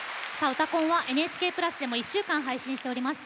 「うたコン」はＮＨＫ＋でも１週間配信しております。